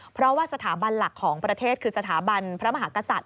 เพราะว่าสถาบันหลักของประเทศคือสถาบันพระมหากษัตริย